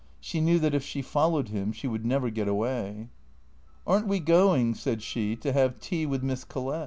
She knew that if she followed him she would never get away. " Are n't we going," said she, " to have tea with Miss Col lett?"